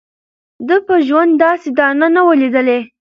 ده په ژوند داسي دانه نه وه لیدلې